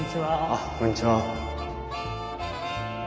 あっこんにちは。